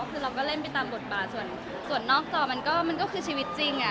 คือเราก็เล่นไปตามบทบาทส่วนนอกจอมันก็คือชีวิตจริง